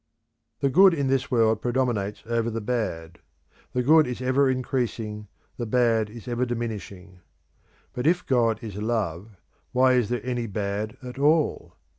The good in this world predominates over the bad; the good is ever increasing, the bad is ever diminishing. But if God is Love why is there any bad at all?